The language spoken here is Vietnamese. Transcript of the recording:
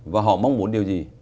và họ mong muốn điều gì